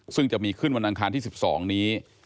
ซึ่งจะมีขึ้นวันอังคารที่๑๒นี้